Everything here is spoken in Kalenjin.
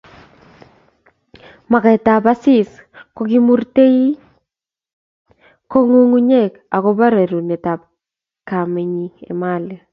Magetab Asisi kokimoturei ko ngungunye agobo rerunetab kamenyi Emali